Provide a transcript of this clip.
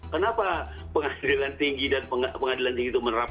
kenapa pengadilan tinggi dan pengadilan tinggi itu menerapkan